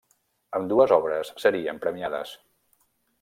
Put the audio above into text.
Ambdues obres serien premiades.